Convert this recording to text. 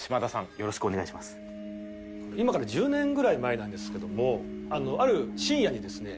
今から１０年ぐらい前なんですけどもある深夜にですね